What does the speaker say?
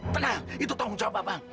tenang itu tanggung jawab bapak